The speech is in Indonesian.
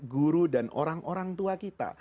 guru dan orang orang tua kita